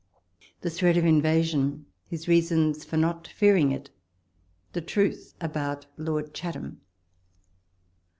THE THREAT OF INVASION— HIS REASONS FOR NOT FEARING IT— THE TRUTH ABOUT LORD CHATHAM.